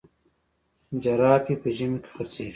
جراپي په ژمي کي خرڅیږي.